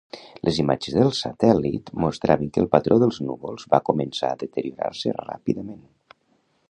Les imatges del satèl·lit mostraven que el patró dels núvols va començar a deteriorar-se ràpidament.